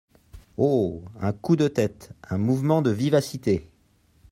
Oh ! un coup de tête, un mouvement de vivacité !